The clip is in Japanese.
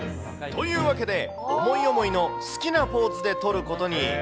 というわけで、思い思いの好きなポーズで撮ることに。